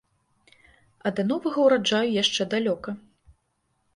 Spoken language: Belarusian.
А да новага ўраджаю яшчэ далёка.